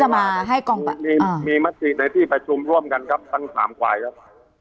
ไม่ว่ามีมัธิในที่ประชุมร่วมกันครับตั้ง๓ควายครับ